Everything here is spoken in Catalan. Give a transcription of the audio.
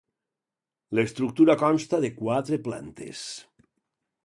L'estructura consta de quatre plantes.